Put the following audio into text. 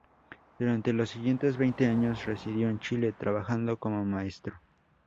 Durante los siguientes veinte años residió en Chile, trabajando como maestro.